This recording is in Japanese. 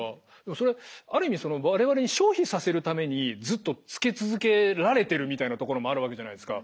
それある意味我々に消費させるためにずっとつけ続けられてるみたいなところもあるわけじゃないですか。